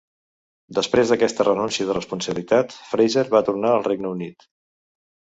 Després d'aquesta renuncia de responsabilitat, Fraser va tornar al Regne Unit.